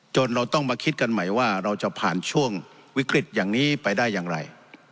เราต้องมาคิดกันใหม่ว่าเราจะผ่านช่วงวิกฤตอย่างนี้ไปได้อย่างไร